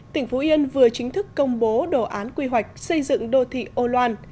tỉnh phú yên vừa chính thức công bố đồ án quy hoạch xây dựng đô thị âu loan